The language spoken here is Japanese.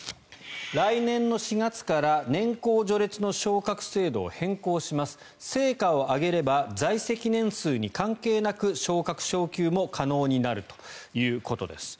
来年の４月から年功序列の昇格制度を変更します成果を上げれば在籍年数に関係なく昇格・昇給も可能になるということです。